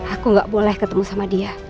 aku gak boleh ketemu sama dia